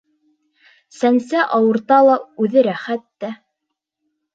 Сәнсә, ауырта ла, үҙе рәхәт тә...